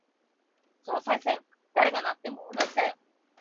総裁選、誰がなっても同じだよ。